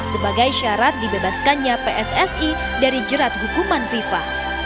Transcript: sebagai syarat dibebaskannya pssi dari jerat hukuman fifa